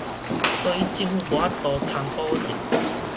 所以政府無法度通保證